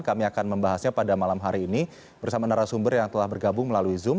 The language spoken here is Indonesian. kami akan membahasnya pada malam hari ini bersama narasumber yang telah bergabung melalui zoom